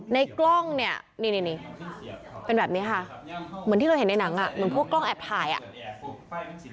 ในกล้องเนี่ยนี่เป็นแบบนี้ค่ะเหมือนที่เราเห็นในหนังอ่ะเหมือนพวกกล้องแอบถ่ายอ่ะ